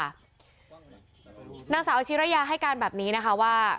นางสาวอาชิระยาให้การแบบนี้นะคะว่า